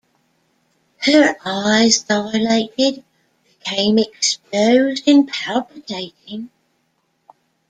Her eyes dilated, became exposed and palpitating.